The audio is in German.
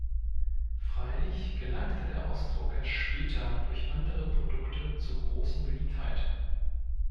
Freilich gelangte der Ausdruck erst später durch andere Produkte zur großen Beliebtheit.